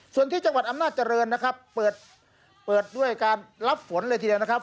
ส่วนที่จังหวัดอำนาจเจริญนะครับเปิดด้วยการรับฝนเลยทีเดียวนะครับ